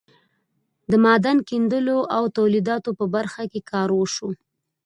د معدن کیندلو او تولیداتو په برخه کې کار وشو.